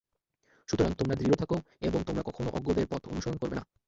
সুতরাং তোমরা দৃঢ় থাক এবং তোমরা কখনও অজ্ঞদের পথ অনুসরণ করবে না।